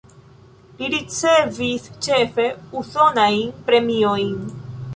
Li ricevis ĉefe usonajn premiojn.